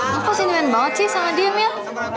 apa sentimen banget sih sama dia mil